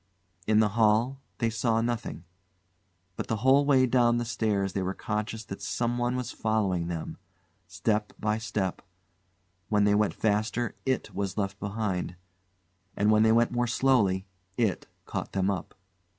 In the hall they saw nothing, but the whole way down the stairs they were conscious that someone followed them; step by step; when they went faster IT was left behind, and when they went more slowly IT caught them up.